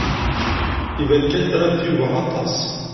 Iban kan tramt Yuba aṭas.